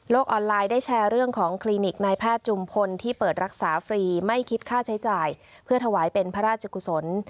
ออนไลน์ได้แชร์เรื่องของคลินิกนายแพทย์จุมพลที่เปิดรักษาฟรีไม่คิดค่าใช้จ่ายเพื่อถวายเป็นพระราชกุศล